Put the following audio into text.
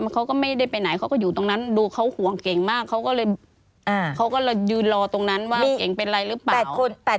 เขาก็อยู่รอตรงนั้นว่าเก่งเป็นอะไรหรือเปล่า